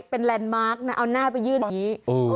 เป็นแลนด์มาร์คนะเอาหน้าไปยื่นอย่างนี้